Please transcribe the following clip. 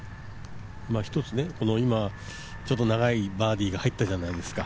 今ちょっと長いバーディーが入ったじゃないですか。